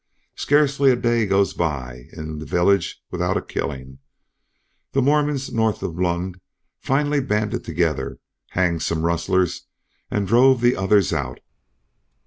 Scarcely a day goes by in the village without a killing. The Mormons north of Lund finally banded together, hanged some rustlers, and drove the others out.